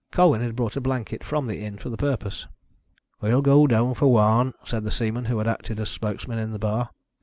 Colwyn had brought a blanket from the inn for the purpose. "I'll go down, for one," said the seaman who had acted as spokesman in the bar.